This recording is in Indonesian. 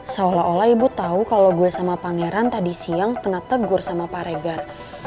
seolah olah ibu tahu kalau gue sama pangeran tadi siang pernah tegur sama pak regan